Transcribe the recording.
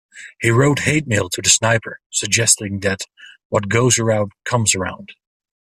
He wrote hate mail to the sniper, suggesting that "what goes around, comes around".